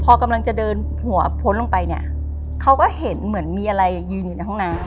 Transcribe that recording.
พอกำลังจะเดินหัวพ้นลงไปเนี่ยเขาก็เห็นเหมือนมีอะไรยืนอยู่ในห้องน้ำ